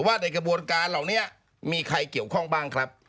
ว่าในกระบวนการเหล่านี้มีใครเกี่ยวข้องบ้างครับ